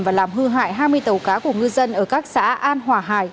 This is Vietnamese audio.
và làm hư hại hai mươi tàu cá của ngư dân ở các xã an hòa hải